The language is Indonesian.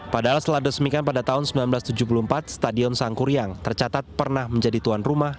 padahal setelah diresmikan pada tahun seribu sembilan ratus tujuh puluh empat stadion sangkuryang tercatat pernah menjadi tuan rumah